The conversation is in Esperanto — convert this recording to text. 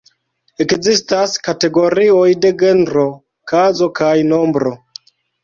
Ekzistas kategorioj de genro, kazo kaj nombro.